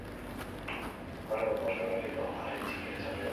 Gaur egungo Euskal Herriko Harri Txikien txapelduna da.